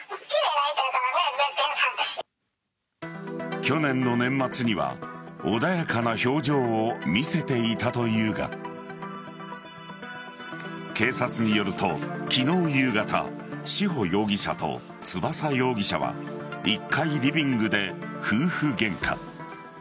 去年の年末には穏やかな表情を見せていたというが警察によると昨日夕方志保容疑者と翼容疑者は１階リビングで夫婦ゲンカ。